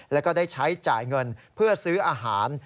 แล้วก็ได้ใช้จ่ายเงินเพื่อซื้ออาหาร